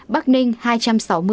bắc ninh hai trăm sáu mươi